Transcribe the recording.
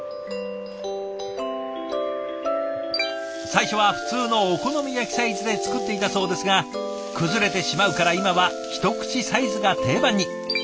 最初は普通のお好み焼きサイズで作っていたそうですが崩れてしまうから今は一口サイズが定番に。